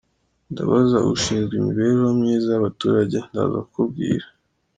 Ndabaza ushinzwe imibereho myiza y’abaturage ndaza kukubwira.